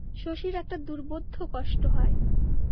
শশীর একটা দুর্বোধ্য কষ্ট হয়।